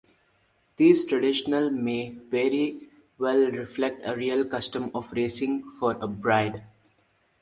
These traditions may very well reflect a real custom of racing for a bride.